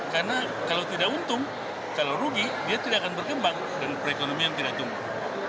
karena kalau tidak untung kalau rugi dia tidak akan berkembang dengan perekonomian tidak tunggu